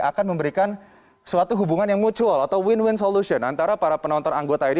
akan memberikan suatu hubungan yang mutual atau win win solution antara para penonton anggota ini